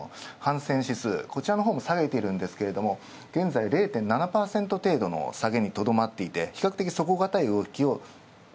こちらのほうも下げていますが、現在０．７％の下げにとどまっていて、比較的底堅い動き。